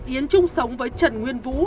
yến chung sống với trần nguyên vũ